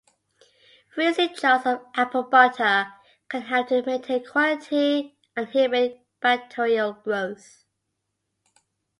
Freezing jars of apple butter can help to maintain quality and inhibit bacterial growth.